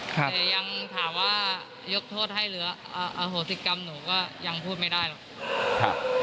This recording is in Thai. แต่ยังถามว่ายกโทษให้เหลืออโหสิกรรมหนูก็ยังพูดไม่ได้หรอก